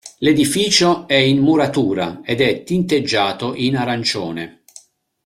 L'edificio è in muratura ed è tinteggiato in arancione.